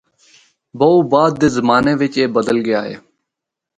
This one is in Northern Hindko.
بہوں بعد دے زمانے وچ اے بدل گیا۔